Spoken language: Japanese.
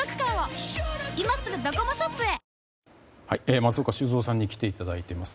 松岡修造さんに来ていただいています。